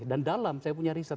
dan dalam saya punya riset